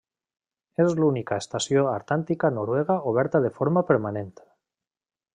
És l'única estació antàrtica noruega oberta de forma permanent.